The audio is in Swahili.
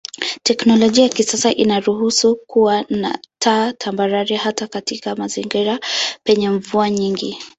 Teknolojia ya kisasa inaruhusu kuwa na taa tambarare hata katika mazingira penye mvua nyingi.